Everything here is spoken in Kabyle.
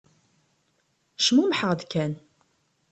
Cmumḥeɣ-d kan.